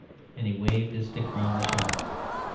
And he waved his stick around the shop.